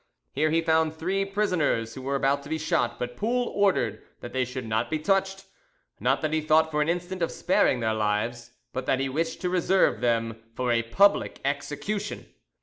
Here he found three prisoners who were about to be shot; but Poul ordered that they should not be touched: not that he thought for an instant of sparing their lives, but that he wished to reserve them for a public execution.